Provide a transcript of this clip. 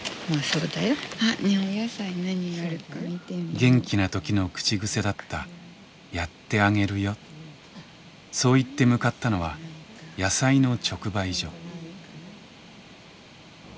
元気な時の口癖だったそう言って向かったのは野菜の直売所。